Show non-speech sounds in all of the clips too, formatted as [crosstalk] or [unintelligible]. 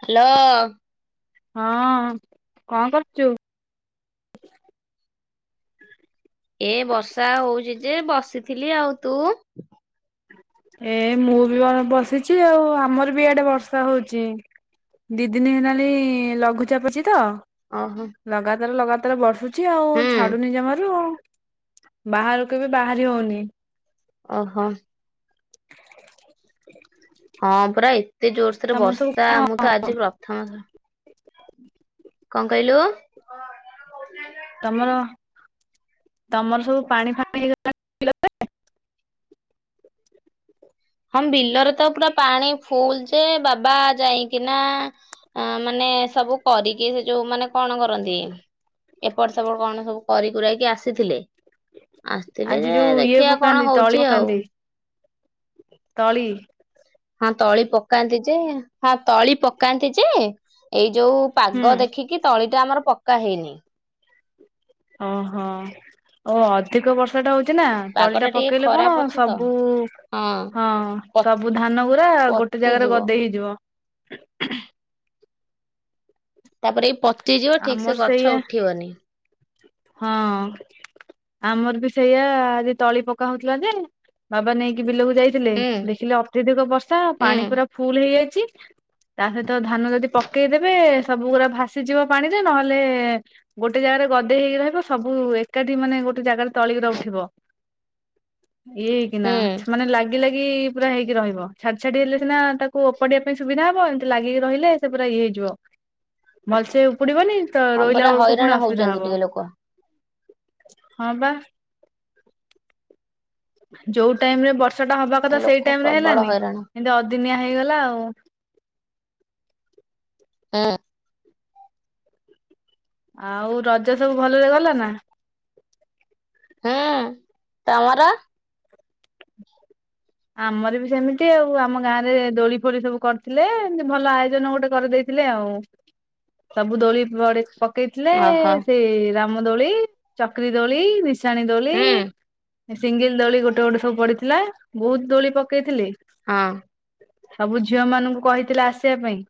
Hello. ହଁ କଣ କରୁଛୁ? ଏ ବର୍ଷା ହଉଚି ଯେ ବସିଥିଲି ଆଉ ତୁ? ଏ ମୁଁ ବି ମୋର ବସିଛି ଆଉ, ଆମର ବି ଆଡେ ବର୍ଷା ହଉଛି। ଦି ଦିନ ହେଲାଣି ଲଘୁଚାପ ଅଛି ତ। ଓହୋ। ଲଗାତାର ଲଗାତାର ବର୍ଷୁଛି ଆଉ ହୁଁ ଛାଡୁନି ଜମାରୁ ଆଉ। ବାହାରକୁ ବି ବାହାରି ହଉନି। ଓହୋ। ହଁ ପୁରା ଏତେ ଜୋର ସୋରରେ ତମର ସବୁ ବର୍ଷା ମୁଁ ତ କଣ ଆଜି ପ୍ରଥମ ଥର କଣ କହିଲୁ? ତମର ତମର ସବୁ ପାଣି ଫା ହଁ ବିଲରେ ତ ପୁରା ପାଣି ଫୁଲ ଯେ ବାବା ଯାଇକିନା ଅ ମାନେ ସବୁ କରିକି ସେ ଯୋଉ ମାନେ କଣ କରନ୍ତି, ଏପଟ ସେପଟ କଣ ସବୁ କରି କୁରା କି ଆସିଥିଲେ। ଆସିଥିଲେ ଆଜି ଯେ ଯୋଉ ଇଏ ଦେଖିବା ପକାନ୍ତି କଣ ତଳି ହଉଛି ଆଉ। ପକାନ୍ତି ତଳି? ହଁ ତଳି ପକାନ୍ତି ଯେ, ହଁ ତଳି ପକାନ୍ତି ଯେ ଏଇ ଯୋଉ ହୁଁ ପାଗ ଦେଖିକି ତଳିଟା ଆମର ପକା ହେଇନି। ଓହୋ ଓ ଅ ଅଧିକ ବର୍ଷା ଟା ହଉଛି ନା, ପାଗ ଟା ତଳିଟା ଟିକେ ପକେଇଲେ କଣ ଖରାପ ଅଛି ତ ସବୁ ହଁ ପ ସବୁ ଧାନ ଗୁରା ଗୋଟେ ଜାଗାରେ ପଚିଯିବ। ଗଦେଇ ହେଇଯିବ। ତାପରେ ଏଇ ପଚିଯିବ ଠିକ୍ ଆମର ସେ ସେଇଆ ଗଛ ଉଠିବନି। ହଁ। ଆମର ବି ସେଇଆ ଆଜି ତଳି ପକା ହଉଥିଲା ଯେ, ବାବା ନେଇକି ବିଲକୁ ଯାଇ ଥିଲେ ହୁଁ ଦେଖିଲେ ଅତ୍ୟଧିକ ବର୍ଷା ହୁଁ। ପାଣି ପୁରା ଫୁଲ ହେଇଯାଇଛି ତା ସହିତ ଧାନ ଯଦି ପକେଇଦେବେ ସବୁଗୁରା ଭାସିଯିବ ପାଣିରେ ନହେଲେ ଗୋଟେ ଜାଗାରେ ଗଦେଇ ହେଇକି ରହିବ ସବୁ ଏକାଠି ମାନେ ଗୋଟେ ଜାଗାରେ ତଳିି ଗୁରା ଉଠିବ ଇଏ ହେଇକିନା ହୁଁ ମାନେ ଲାଗି ଲାଗି ପୁରା ହେଇକି ରହିବ, ଛାଡି ଛାଡି ହେଲେ ନା ତାକୁ ଓପଡେଇିବା ପାଇଁ ସୁବିଧା ହବ, ଏମିତି ଲାଗିକି ରହିଲେ ସେ ପୁରା ଇଏ ହେଇଯିବ। ଭଲସେ ଉପୁଡିବନି ତ ହଁ ରୋଇିଲା ପରା ବେଳକୁ ହଇରାଣ ପୁଣି ଅସୁବିଧା ହଉଛନ୍ତି ହବ। ଟିକେ ଲୋକ। ହଁ ବା। ଯୋଉ ଟାଇମ ରେ ବର୍ଷାଟା ହବା କଥା ଲୋକ ସେଇ ଟାଇମ ରେ ପ୍ରବଳ ହେଲାନି, ହଇରାଣ ଏମିତି ଅଦିନିଆ ହେଇଗଲା ଆଉ। ହଁ। ଆଉ ରଜ ସବୁ ଭଲରେ ଗଲା ନା? ହଁ ତମର? ଆମର ବି ସେମିତି ଆଉ ଆମ ଗାଁ ରେ ଦୋଳି ଫୋଳି ସବୁ କରିଥିଲେ ଏମିତି ଭଲ ଆୟୋଜନ ଗୋଟେ କରିଦେଇ ଥିଲେ ଆଉ ସବୁ ଦୋଳି ପଡେ ସକ୍ ପକେଇଥିଲେ ଓହୋ ସେ ରାମ ଦୋଳି ଚକ୍ରୀ ଦୋଳି ନିସା ସାଣି ଦୋଳି ହୁଁ ସିଙ୍ଗଲ ଦୋଳି ଗୋଟେ ଗୋଟେ ସବୁ ପଡିଥିଲା ବହୁତ ଦୋଳି ପକେଇଥିଲେ ହଁ। ସବୁ ଝିଅ ମାନଙ୍କୁ କହିଥିଲେ ଆସିବା ପାଇଁ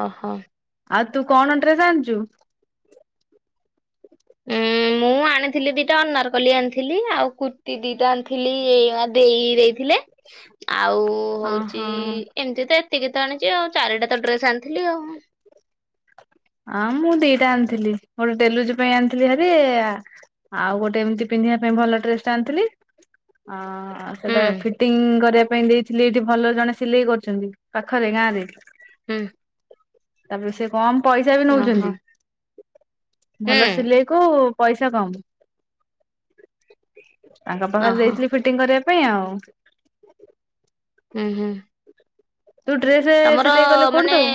ଓହୋ। ଆଉ ତୁ କଣ ଡ୍ରେସ୍ ଆଣିଛୁ? ଉଁ ମୁଁ ଆଣିଥିଲି ଦିଟା ଅନାରକଲି ଆଣିଥିଲି। ଆଉ କୁର୍ତ୍ତୀ ଦିଟା ଆଣିଥିଲି ଏଇ ଦେଇ ଦେଇଥିଲେ ହଁ ଆଉ ହଉଛି ଏମିତି ତ ଏତିକି ତ ଆଣିଛି ଆଉ ଚାରିଟା ତ ଡ୍ରେସ ଆଣିଥିଲି ଆଉ। ହଁ ମୁଁ ଦିଟା ଆଣିଥିଲି ଗୋଟେ ଡେଲୁଜ ପାଇଁ ଆଣିଥିଲିହାରି ଆଉ ଗୋଟେ ଏମିତି ପିନ୍ଧିବା ପାଇଁ ଭଲ ଡ୍ରେସ ଟା ଆଣିଥିଲି ଅ ଆଉ ହୁଁ ସେଇଟା ଫିଟିଙ୍ଗ କରିବା ପାଇଁ ଦେଇଥିଲି ଏଇଠି ଭଲ ଜଣେ ସିଲେଇ କରୁଛନ୍ତି ପାଖରେ ଗାଁ ରେ ହୁଁ। ତାପରେ ସେ କମ ପଇସା ବି ଓହୋ ନଉଛନ୍ତି ହୁଁ ଭଲ ସିଲେଇ କୁ ପଇସା କମ୍। ତାଙ୍କ ପାଖରେ ଓହୋ ଦେଇଥିଲି ଟିଂ କରିବା ପାଇଁ ଆଉ ଉହୁଁ। ତୁ ଡ୍ରେସ ସିଲେଇ କଲେ କୋଉଠି ମାନେ ଦୋଉ?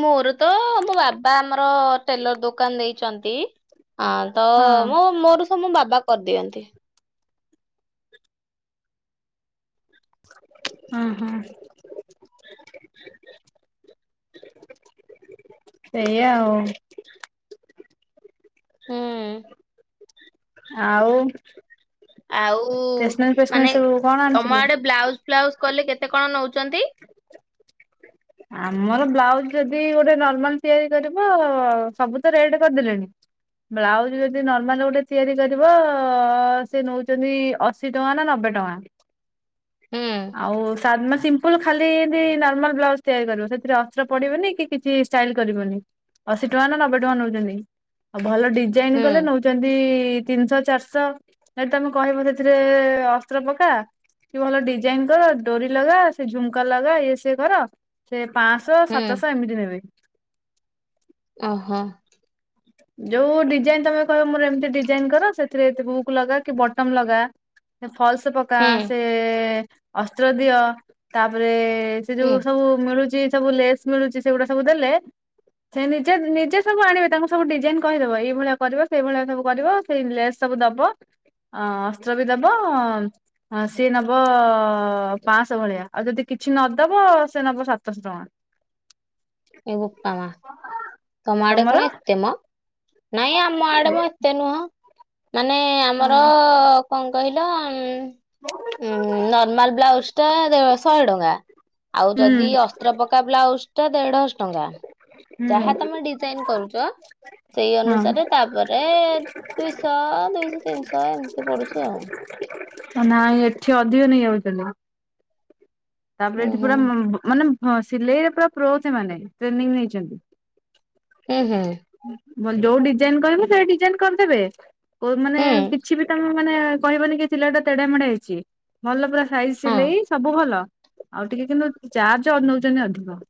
ମୋର ତ ମୋ ବାବା ଆମର ଟେଲର ଦୋକାନ ଦେଇଛନ୍ତି ଆଁ ତ ହଁ ମୋ ମୋର ସବୁ ମୋ ବାବା କରିଦିଅନ୍ତି। ହଁ ହଁ। ସେଇଆ ଆଉ ହୁଁ। ଆଉ? ଆଉ ଷ୍ଟେସନାରୀ ଫେସନାରୀ ମାନେ ସବୁ କଣ ତମ ଆଣିଥିଲୁ? ଆଡେ ବ୍ଲାଉଜ ଫ୍ଲାଉଜ କଲେ କେତେ କଣ ନଉଛନ୍ତି? ଆମର ବ୍ଲାଉଜ ଯଦି ଗୋଟେ ନର୍ମାଲ ତିଆରି କରିବ ସବୁ ତ ରେଟ କରିଦେଲେଣି ବ୍ଲାଉଜ ଯଦି ନର୍ମାଲ ଗୋଟେ ତିଆରି କରିବ ସେ ନେଉଛନ୍ତି ଅସ୍ ଅଶି ଟଙ୍କା ନା ନବେ ଟଙ୍କା ହୁଁ ଆଉ ସା ସିମ୍ପଲ ଖାଲି ଏନ୍ତି ନର୍ମାଲ ବ୍ଲାଉଜ ତିଆରି କରିବ ସେଥିରେ ଅସ୍ତ୍ର ପଡିବନି କିଛି ଷ୍ଟାଇଲ କରିବନି ଅଶୀ ଟଙ୍କା ନା ନବେ ଟଙ୍କା ନୋଉଛନ୍ତି। ଆଉ ଭଲ ଡିଜାଇନ ହୁଁ କଲେ ନଉଛନ୍ତି ତିନିଶହ ଚାରିଶହ ଯଦି ତମେ କହିବ ସେଥିରେ ଅସ୍ତ୍ର ପକା ଠି ଭଲ ଡିଜାଇନ କର ଡୋରି ଲଗା ସେ ଝୁମ୍କା ଲଗା ଇଏ ସିଏ କର ସେ ପାଞ୍ଚଶହ ହୁଁ ସାତଶହ ଏମିତି ନେବେ ଓହୋ। ଯୋଉ ଡିଜାଇନ ତମେ କହିବ ମୋର ଏମିତି ଡିଜାଇନ କର ସେଥିରେ ବୁକ୍ ଲଗା କି ବଟମ ଲଗା ଫଲସ ପକା ହୁଁ ସେ ଅସ୍ତ୍ର ଦିଅ ତାପରେ ସେ ହୁଁ ଯୋଉ ସବୁ ମିଳୁଛି ସବୁ ଲେସ୍ ମିଳୁଛି ସେଗୁଡା ସବୁ ଦେଲେ ସେ ନିଜେ ନିଜେ ସବୁ ଆଣିବେ ତାଙ୍କୁ ସବୁ ଡିଜାଇନ କହିଦବ ଏଇଭଳିଆ କରିବ ସେଇଭଳିଆ ସବୁ କରିବ ସେଇ ଲେସ୍ ସବୁ ଦବ ଅ ଅସ୍ତ୍ର ବି ଦବ ହଁ ସିଏ ନବ ପାଞ୍ଚଶହ ଭଳିଆ ଆଉ ଯଦି କିଛି ନଦବ ସିଏ ନବ ସାତଶହ ଟଙ୍କା ଏ ବୋପା ମା ତମ ଆଡେ ତମର କଣ ଏତେ ମ? ନାଇଁ ଆମ ଆଡେ ମୋ ଏତେ ନୁହଁ। ମାନେ ଆମର ହଁ କଣ କହିଲ ଉଁ, ଉଁ, ନର୍ମାଲ ବ୍ଲାଉଜ୍ ଟା ଦେଅ ଶହେ ଟଙ୍କା। ଆଉ ହୁଁ ଯଦି ଅସ୍ତ୍ର ପକା ବ୍ଲାଉଜ୍ ଟା ଦେଢଶ ଟଙ୍କା। ଯାହା ହୁଁ ତୋମେ ଡିଜାଇନ୍ କରୁଚ ସେଇ ହଁ ଅନୁସାରେ ତାପରେ ଦୁଇଶହ, ଦୁଇଶହ, ତିନିଶହ ଏମିତି ପଡୁଛି ଆଉ। ହଁ ନାଇଁ ଏଠି ଅଧିକ ନେଇଯାଉଚନ୍ତି। ତାପରେ ହୁଁ ଏଠି ହୁଁ ପୁରା ମୁ-ମାନେ ହଁ ସିଲେଇରେ ପୁରା ପ୍ରୋ ସେମାନେ ଟ୍ରେନିଙ୍ଗ ନେଇଛନ୍ତି। ହୁଁ, ହୁଁ। ଭଲ ଯୋଉ ଡିଜାଇନ୍ କରିବୁ ସେଇ ଡିଜାଇନ୍ କରିଦେବେ। କୋ ମାନେ କିଛି ବି ତୋମେ ମାନେ କହିବନି କି ସିଲେଇ ଟା ତେଢା ମେଢା ହେଇଛି। ଭଲ ପୁରା ସାଇଜ ହୁଁ ହଁ ସିଲେଇ ସବୁ ଭଲ। ଆଉ ଟିକେ କିନ୍ତୁ ଚାର୍ଜ ନଉଚନ୍ତି ଅଧିକ।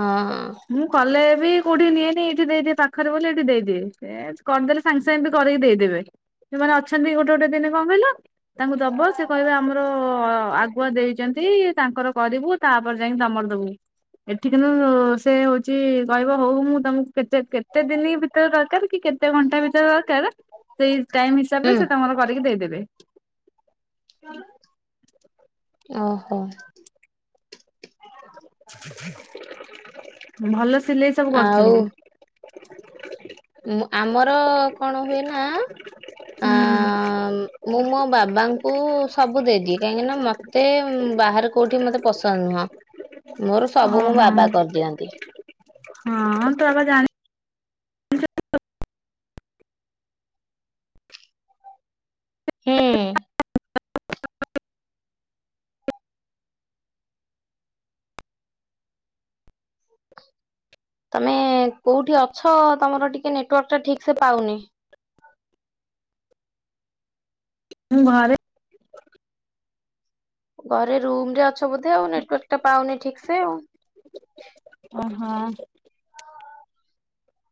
ହଁ, ହଁ। ମୁଁ କଲେ ବି କୋଉଠି ନିଏନି ଏଇଠି ଦେଇ ଦିଏ ପାଖରେ ବୋଲି ଏଇଠି ଦେଇ ଦିଏ। ଏ କରିଦେଲେ ସାଙ୍ଗେ ସାଙ୍ଗେ ବି କରିକି ଦେଇଦେବେ। ସେମାନେ ଅଛନ୍ତି ଗୋଟେ ଗୋଟେ ଦିନେ କଣ କହିଲ ତାଙ୍କୁ ଦବ ସେ କହିବେ ଆମର ଆ ଗୁଆ ଦେଇଚନ୍ତି। ତାଙ୍କର କରିବୁ ତାପରେ ଯାଇକି ତୋମର ଦବୁ। ଏଠ କିନ୍ତୁ ସେ ହଉଛି କହିବ ହଉ ମୁଁ ତୋମକୁ କେତେ କେତେ ଦିନ ଭିତରେ ଦରକାର କି କେ ତେ ଘଣ୍ଟା ଭିତରେ ଦରକାର। ସେଇ ଟାଇମ୍ ହିସାବରେ ହୁଁ ସେ ତୋମର କରିକି ଦେଇଦେବେ। ଓହୋ। ଭଲ ସିଲେଇ ସବୁ କରୁଛନ୍ତି। ମୋ ଆମର କଣ ହୁଏ ନା ଆ ହୁଁ। ମୁଁ ମୋ ବାବାଙ୍କୁ ସବୁ ଦେଇ ଦିଏ କାହିଁକି ନା ମୋତେ ଉଁ, ବାହାରେ କୋଉଠି ମୋତେ ପସନ୍ଦ ନୁହଁ। ମୋର ସବୁ ମୋ ଓହୋ ବାବା କରିଦିଅନ୍ତି। ହଁ ତ ବାବା ଜାଣି ହୁଁ। ତୋମେ କୋଉଠି ଅଛ ତୋମର ଟିକେ ନେଟୱାର୍କ ଟା ଠିକ ସେ ପାଉନି। ମୁଁ ଘରେ। ଘରେ ରୁମ୍ ରେ ଅଛ ବୋଧେ ଆଉ ନେଟୱାର୍କ ଟା ପାଉନି ଠିକ ସେ ଆଉ। ଓ ହଁ।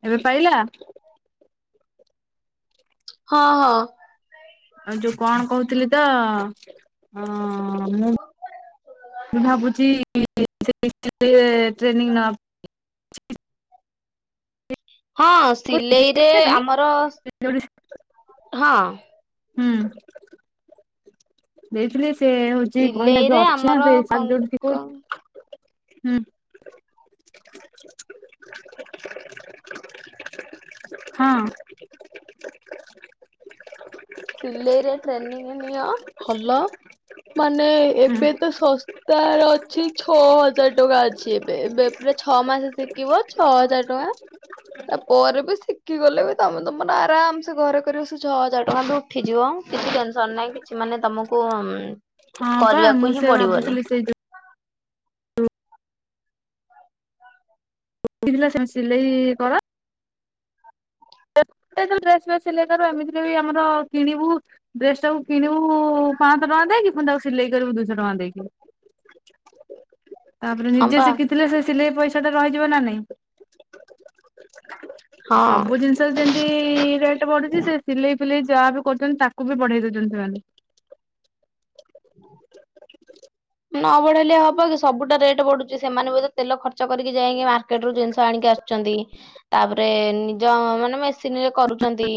ଏବେ ପାଇଲା? ହଁ, ହଁ। ଆଉ ଯୋଉ କଣ କହୁଥିଲି ତ ହଁ ମୁଁ ମୁଁ ଭାବୁଛି [inaudible] ଟ୍ରେନିଂ ନବା ହଁ ସିଲେଇରେ ପାଇଁ ଆମର ହଁ ହୁଁ। ଦେଇଥିଲି ସେ ହଉଚି କହିଲା ସିଲେଇରେ ଯୋଉ ଅଛି ଆଁ ଆମର ସେଇ ସାର୍ କଣ ଯୋଉଠୁ କଣ ଶିକଉ ହୁଁ। ହଁ। ସିଲେଇରେ ଟ୍ରେନିଂ ନିଅ ଭଲ ମାନେ ହୁଁ ଏବେ ତ ସସ ତାର ଅଛି ଛଅ ହଜାର ଟଙ୍କା ଅଛି ଏବେ। ଏବେ ପୁରା ଛଅ ମାସ ଶି କିବ ଛଅ ହଜାର ଟଙ୍କା। ତା ପରେ ବି ଶିଖିଗଲେ ବି ତୋମେ ତୋମର ଆରାମସେ ଘରେ କରିବ ସେ ଛଅ ହଜାର ଟଙ୍କା ଲୁ ଉଠିଯିବ କିଛି ଟେନସନ୍ ନାହିଁ କିଛି ମାନେ ତୋମକୁ ଉଁ, ହଁ ପା ମୁଁ କରିବାକୁ ହିଁ ସେ ପଡିବନି। ଭାବୁଥିଲି ସେଇ ତ [unintelligible] ସେମ ସିଲେଇ କର। ଏତେ ଯୋଉ ଡ୍ରେସ୍ ଫ୍ରେସ ସିଲେଇ କରୁ ଏମିତିରେ ବି ଆମର କିଣିବୁ ଡ୍ରେସ୍ ଟାକୁ କିଣିବୁ ପାଁଶହ ଟଙ୍କା ଦେଇକି। ପୁଣି ତାକୁ ସିଲେଇ କରିବୁ ଦୁଇଶହ ଟଙ୍କା ଦେଇକି। ତାପରେ ହଁ ନିଜେ ପା ଶିଖି ଥିଲେ ସେ ସିଲେଇ ପଇସା ଟା ରହିଯିବ ନା ନାଇ ହଁ। ସବୁ ଜିନିଷ ଯେମିତି ରେଟ୍ ବଢୁଛି ସେ ସିଲେଇ ଫିଲେଇ ଯାହା ବି କରୁଛନ୍ତି ତାକୁ ବି ବଢେଇ ଦଉଛନ୍ତି ସେମାନେ। [inaudible] ନ ବଢେଇଲେ ହବ କି ସବୁଟା ରେଟ୍ ବଢୁଛି ସେମାନେ ବୋଧ ତେଲ ଖର୍ଚ୍ଚ କରିକି ଯାଇକି ମାର୍କେଟରୁ ଜିନିଷ ଆଣିକି ଆସୁଛନ୍ତି ତାପରେ ନିଜ ମାନେ ମେସିନରେ କରୁଛନ୍ତି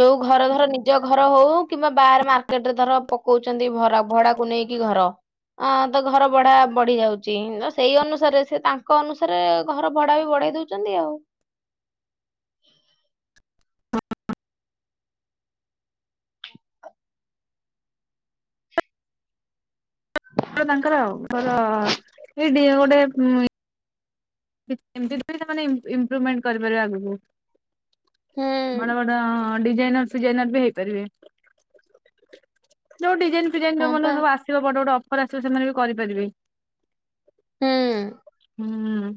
ଯୋଉ ଘର ଧର ନିଜ ଘର ହଉ କିମ୍ବା ବାହାରେ ମାର୍କେଟ ରେ ଧର ପକଉଛନ୍ତି ଭଡା ଭଡ଼ା କୁ ନେଇକି କି ଘର ଅ ତ ଘର ଭଡା ବଢି ଯାଉଛି ସେଇ ଅନୁସାରେ ସେ ତାଙ୍କ ଅନୁସାରେ ଘର ଭଡା ବି ବଢେଇ ଦଉ ଛନ୍ତୀ ଆଉ। [unintelligible] [unintelligible] ଏମତି ସେମାନେ ଇମ୍ ଇମ୍ପ୍ରୁଭଭ୍ମେଣ୍ଟ କରିପାରିବେ ଆଗକୁ ହୁଁ। ବଡ ବଡ ହଁ ଡିଜାଇନର ଫିଜାଇନର ବି ହେଇପାରିବେ ଯୋଉ ଡିଜାଇନ୍ ଡିଜାଇନ୍ ହଁ ଯୋଉ ପା ସବୁ ଆସିବ ବଡ ବଡ ଅଫର ଆସିବ ସେମାନେ ବି କରିପାରିବେ। ହୁଁ ହୁଁ।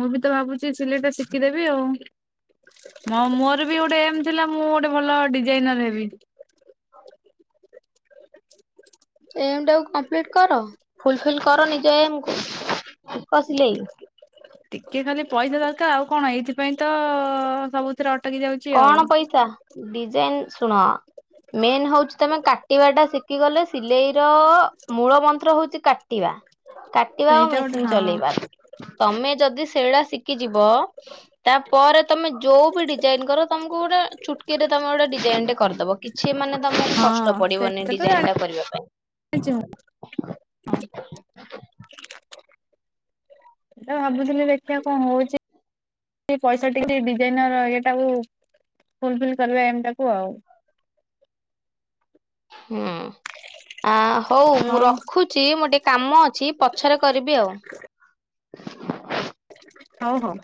ମୁଁ ବି ତ ଭାବୁଛି ସିଲେଇଟା ଶିଖିଦେବି ଆଉ। ମୋର ବି ଗୋଟେ ଏମ୍ ଥିଲା ମୁଁ ଗୋଟେ ଭଲ ଡିଜାଇନର ହେବି। [inaudible] ଏମ୍ ଟାକୁ କମ୍ପ୍ଲିଟ କର ଫୁଲଫିଲ୍ କର ନିଜ ଏମକୁ ଶିଖ ସିଲେଇ। ଟିକେ ଖାଲି ପଇସା ଦରକାର ଆଉ କଣ ଏଇଥିପାଇଁ ତ ସବୁ ଥିରେ ଅଟକି ଯାଉଛି। ଆଉ। କଣ ପଇସା ଡିଜାଇନ ଶୁଣ ମେନ୍ ହଉଛି ତମେ କାଟିବା ଟା ଶିଖି ଶିଖି ଗଲେ ସିଲେଇ ର ମୂଳ ମନ୍ତ୍ର ହଉଛି କାଟିବା କାଟିବା ଆଉ ସେଇଟା ଗୋଟେ ମେସିନ ହଁ ଚଲେଇବା। ତମେ ଯଦି ସେଇଡା ଶିଖିଯିବ ତାପରେ ତମେ ଯୋଉ ବି ଡିଜାଇନ କର ତମକୁ ଗୋଟେ ଚୁଟକିରେ ତମେ ଗୋଟେ ଡିଜାଇନ ଟେ କରିଦବ କିଛି ମାନେ ତମେ ହଁ କଷ୍ଟ ପଡିବନି ସେଇଟା ତ ଡିଜାଇନ ଟା କରିବା ପାଇଁ। [unintelligible] ସେଇଟା ଭାବୁଥିଲି ଦେଖିବା କଣ ହଉଛି। ସେ ପଇସା ଟିକେ ଡିଜାଇନର ଏଇଟାକୁ ଫୁଲଫିଲ୍ କରିବା ଏମ ଟାକୁ ଆଉ। ହୁଁ ଆ ହଉ ମୁଁ ରଖୁ ଛି ମୁଁ ଟିକେ କାମ ଅଛି ପଛରେ କରିବି ଆଉ। ହଉ ହଉ।